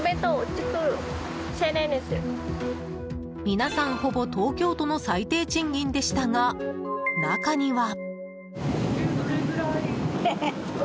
皆さんほぼ東京都の最低賃金でしたが中には。